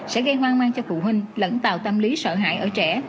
sẽ gây hoang mang cho phụ huynh lẫn tạo tâm lý sợ hãi ở trẻ